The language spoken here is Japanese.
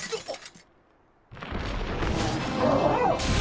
あっ。